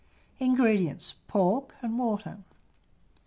INGREDIENTS. Pork; water.